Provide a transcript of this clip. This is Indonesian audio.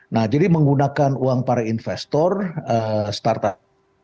nah jadi menggunakan uang para investor startup